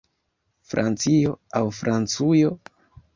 Francio aŭ Francujo?